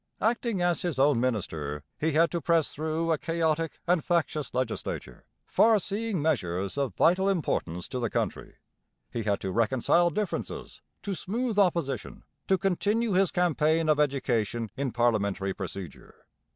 Acting as his own minister, he had to press through a chaotic and factious legislature, far seeing measures of vital importance to the country; he had to reconcile differences, to smooth opposition, to continue his campaign of education in parliamentary procedure.